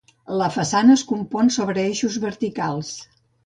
La façana es compon sobre eixos verticals.